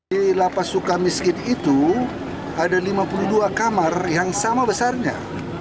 di lapas suka miskin itu ada lima puluh dua kamar yang sama besarnya